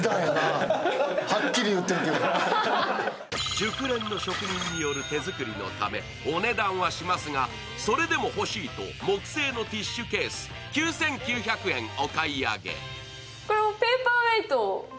熟練の職人による手作りのためお値段はしますがそれでも欲しいと木製のティッシュケース９９００円お買い上げ。